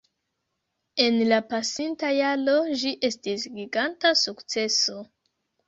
En la pasinta jaro, ĝi estis giganta sukceso